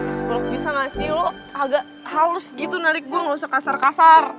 asbalok bisa gak sih lo agak halus gitu narik gue gak usah kasar kasar